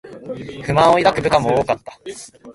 不満を抱く部下も多かった